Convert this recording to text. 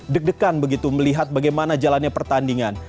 deg degan begitu melihat bagaimana jalannya pertandingan